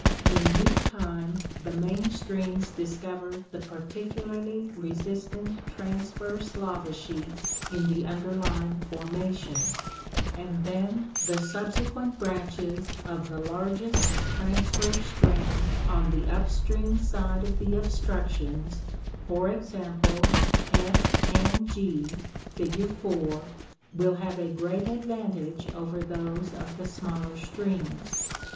In due time the main streams discover the particularly resistant transverse lava sheets in the underlying formation; and then the subsequent branches of the largest transverse stream on the up stream side of the obstruc tions, for example, F and G, fig. 4, will have a great advantage over those of the smaller streams.